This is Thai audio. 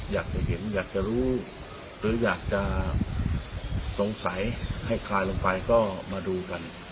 อยากจะเห็นอยากจะรู้หรืออยากจะสงสัยให้คลายลงไปก็มาดูกัน